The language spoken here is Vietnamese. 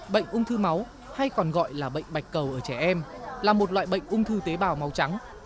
bệnh ung thư máu hay còn gọi là bệnh bạch cầu ở trẻ em là một loại bệnh ung thư tế bào màu trắng